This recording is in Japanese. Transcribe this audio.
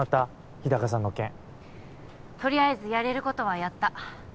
日高さんの件とりあえずやれることはやった